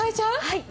はい。